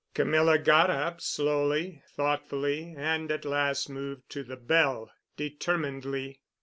Camilla got up, slowly, thoughtfully, and at last moved to the bell determinedly.